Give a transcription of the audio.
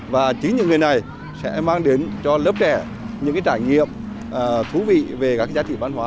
và chính những người này sẽ mang đến cho lớp trẻ những trải nghiệm thú vị về các giá trị văn hóa